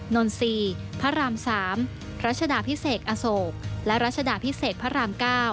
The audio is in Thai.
นนทรีย์พระราม๓รัชดาพิเศษอโศกและรัชดาพิเศษพระราม๙